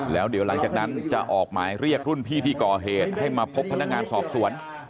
แล้วเดี๋ยวหลังจากนั้นจะออกหมายเรียกรุ่นพี่ที่ก่อเหตุให้มาพบพนักงานสอบสวน